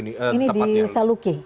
ini di saluki